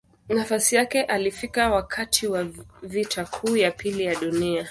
Nafasi yake alifika wakati wa Vita Kuu ya Pili ya Dunia.